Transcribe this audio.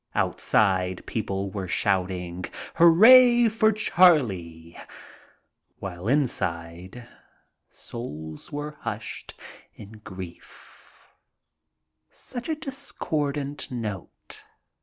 Outside people were shouting, '' Hooray for Charlie !" while inside souls were hushed in grief. Such a discordant note.